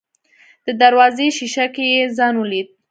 د دروازې ښيښه کې يې ځان وليد.